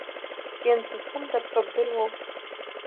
Иансызхымгаҵәҟьо бдыруоу?